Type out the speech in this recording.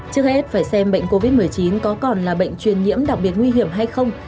trước hết phải xem bệnh covid một mươi chín có còn là bệnh truyền nhiễm đặc biệt nguy hiểm hay không